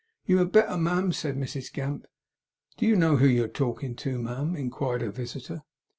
'You had better, ma'am,' said Mrs Gamp. 'Do you know who you're talking to, ma'am?' inquired her visitor.